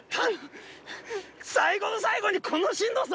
最後の最後にこのしんどさ？